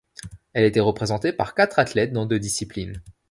Elle était représentée par quatre athlètes dans deux disciplines.